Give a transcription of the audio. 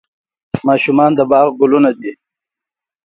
ماشومان د باغ ګلونه دي